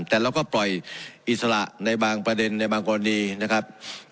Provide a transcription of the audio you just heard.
แต่เราก็ปล่อยอิสระในบางประเด็นในบางกรณีนะครับ